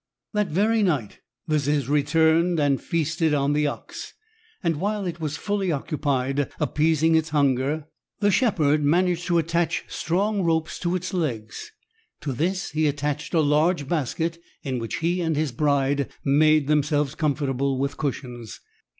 That very night the ziz returned and feasted on the ox, and while it was fully occupied appeasing its hunger, the shepherd managed to attach strong ropes to its legs. To this he attached a large basket in which he and his bride made themselves comfortable with cushions.